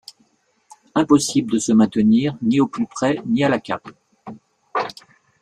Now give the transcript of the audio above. Impossible de se maintenir ni au plus près, ni à la cape.